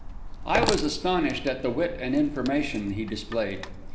I was astonished at the wit and information he displayed.